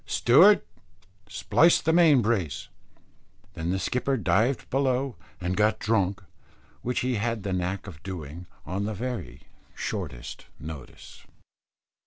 "Steward, splice the main brace." Then the skipper dived below and got drunk, which he had the knack of doing on the very shortest notice.